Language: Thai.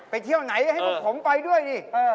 ไปเที่ยวไหนให้ผมไปด้วยดิ